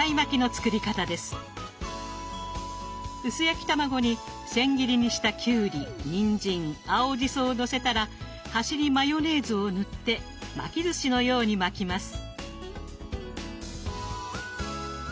薄焼き卵に千切りにしたきゅうりにんじん青じそをのせたら端にマヨネーズを塗って巻きずしのように巻きます。